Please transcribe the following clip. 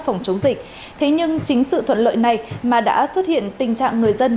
phòng chống dịch thế nhưng chính sự thuận lợi này mà đã xuất hiện tình trạng người dân